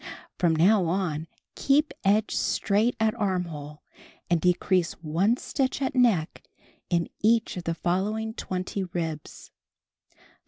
From now on keep edge straight at armhole and decrease one stitch at neck in each of the following 20 ribs.